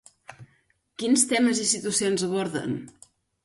Quins temes i situacions aborden?